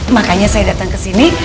makanya saya datang ke sini